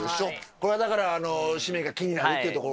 これはだからしめが気になるってところでしょう？